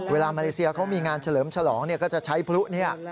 เวลามาเลเซียเขามีงานเฉลิมฉลองก็จะใช้พลุเนี่ย